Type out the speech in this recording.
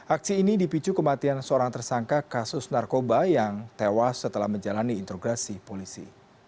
aksi ini dipicu kematian seorang tersangka kasus narkoba yang tewas setelah menjalani integrasi polisi